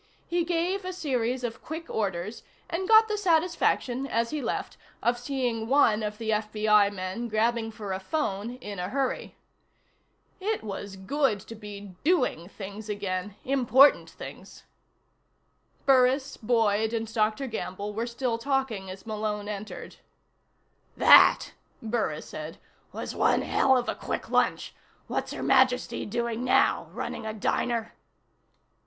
He gave a series of quick orders, and got the satisfaction, as he left, of seeing one of the FBI men grabbing for a phone in a hurry. It was good to be doing things again, important things. Burris, Boyd and Dr. Gamble were still talking as Malone entered. "That," Burris said, "was one hell of a quick lunch. What's Her Majesty doing now running a diner?"